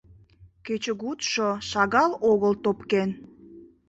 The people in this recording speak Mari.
Кечыгутшо шагал огыл топкен.